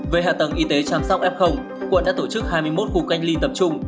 về hạ tầng y tế chăm sóc f quận đã tổ chức hai mươi một khu cách ly tập trung